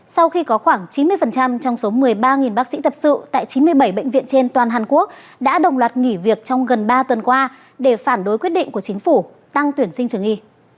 sau khi có khoảng chín mươi trong số một mươi ba bác sĩ tập sự tại chín mươi bảy bệnh viện trên toàn hàn quốc đã đồng loạt nghỉ việc trong gần ba tuần qua để phản đối quyết định của chính phủ tăng tuyển sinh trường y